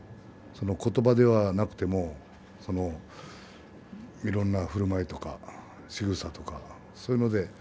そのことばではなくていろんなふるまいとかしぐさとか、そういうので。